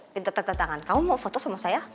pinter tantangan kamu mau foto sama saya